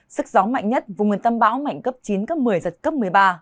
sức gió mạnh nhất vùng nguyên tâm bão mạnh cấp chín cấp một mươi giật cấp một mươi ba